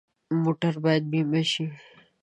موټر باید بیمه شي.